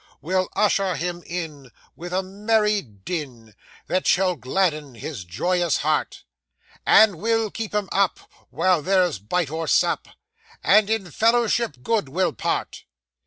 We'll usher him in with a merry din That shall gladden his joyous heart, And we'll keep him up, while there's bite or sup, And in fellowship good, we'll part.